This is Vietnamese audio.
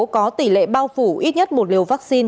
có tỷ lệ bao phủ ít nhất một liều vaccine